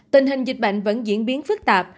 tình hình dịch bệnh vẫn diễn biến phức tạp